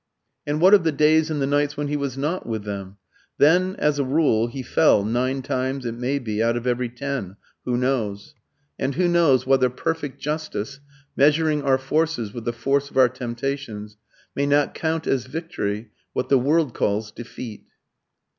And what of the days and the nights when he was not with them? Then, as a rule, he fell, nine times, it may be, out of every ten who knows? And who knows whether Perfect Justice, measuring our forces with the force of our temptations, may not count as victory what the world calls defeat?